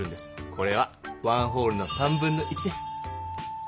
これはワンホールの1/3です。